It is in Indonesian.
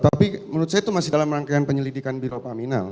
tapi menurut saya itu masih dalam rangkaian penyelidikan biro paminal